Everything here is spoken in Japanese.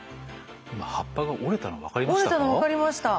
今葉っぱが折れたの分かりましたか？